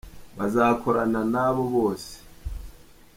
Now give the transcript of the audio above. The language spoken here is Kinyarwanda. bazakorana na bo bose.